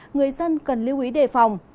người dân cần lưu ý đề phòng